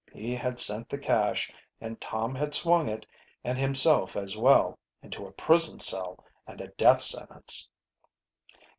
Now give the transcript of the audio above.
He had sent the cash, and Tom had swung it, and himself as well, into a prison cell and a death sentence.